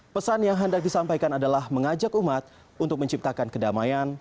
pesan yang hendak disampaikan adalah mengajak umat untuk menciptakan kedamaian